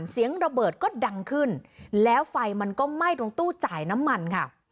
เสียงระเบิดก็ดังขึ้นแล้วไฟมันก็ไหม้ตรงตู้จ่ายน้ำมันค่ะ